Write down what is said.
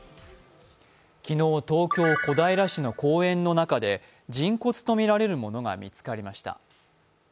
昨日、東京・小平市の公園の中で人骨とみられるものが見つかりました。